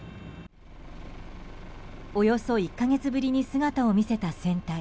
およそ１か月ぶりに姿を見せた船体。